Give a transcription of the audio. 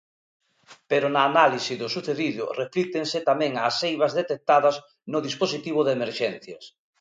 Pero na análise do sucedido reflíctense tamén as eivas detectadas no dispositivo de emerxencias.